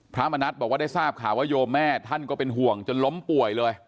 พระมณัฐบอกว่าได้ทราบข่าวว่าโยมแม่ท่านก็เป็นห่วงจนล้มป่วยเลย